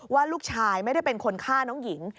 ว่าลูกชายไม่ได้เป็นคนฆ่าน้องหญิง